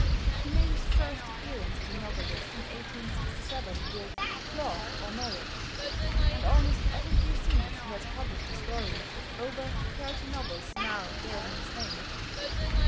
He made his first appearance as a novelist in 1867 with "Love or Marriage," and almost every year since he has published a story, over thirty novels now bearing his name.